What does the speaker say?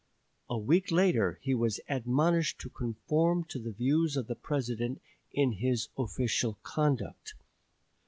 A week later he was admonished to conform to the views of the President in his official conduct.